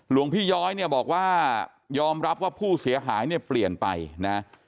หลวงพี่ย้อยเนี่ยบอกว่ายอมรับว่าผู้เสียหายเนี่ยเปลี่ยนไปนะ